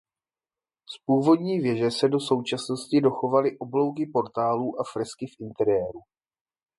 Z původní věže se do současnosti dochovaly oblouky portálů a fresky v interiéru.